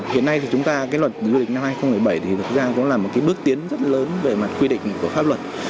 hiện nay thì chúng ta cái luật du lịch năm hai nghìn một mươi bảy thì thực ra cũng là một cái bước tiến rất lớn về mặt quy định của pháp luật